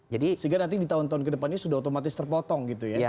sehingga nanti di tahun tahun ke depannya sudah otomatis terpotong gitu ya